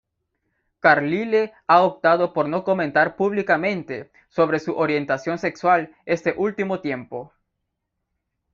Carlile ha optado por no comentar públicamente sobre su orientación sexual este último tiempo.